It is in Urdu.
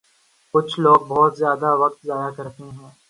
کچھ لوگ بہت زیادہ وقت ضائع کرتے ہیں